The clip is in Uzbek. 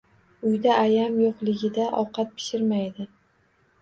Uyda Ayam yoʻqligida ovqat pishirmaydi